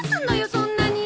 そんなに。